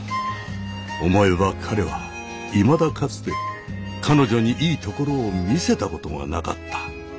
思えば彼はいまだかつて彼女にいいところを見せたことがなかった。